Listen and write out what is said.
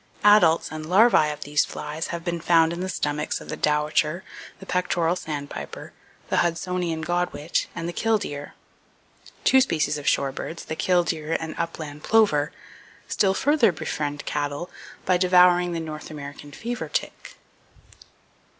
Adults and larvae of these flies have been found in the stomachs of the dowitcher, the pectoral sandpiper, the hudsonian godwit, and the killdeer. Two species of shorebirds, the killdeer and upland plover, still further befriend cattle by devouring the North American fever tick.